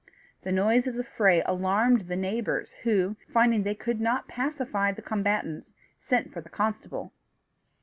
The noise of the fray alarmed the neighbours who, finding they could not pacify the combatants, sent for the constable.